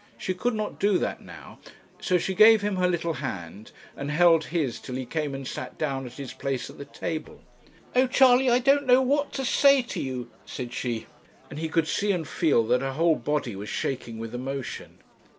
She could not do that now, so she gave him her little hand, and held his till he came and sat down at his place at the table. 'Oh, Charley, I don't know what to say to you,' said she; and he could see and feel that her whole body was shaking with emotion.